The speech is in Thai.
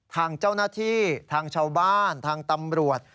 ทางเจ้าหน้าที่ทางชาวบ้านทางตำรวจ